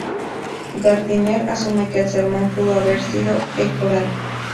Gardiner asume que el sermón pudo haber seguido el coral.